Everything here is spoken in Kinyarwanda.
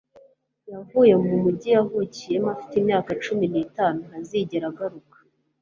yavuye mu mujyi yavukiyemo afite imyaka cumi n'itanu ntazigera agaruka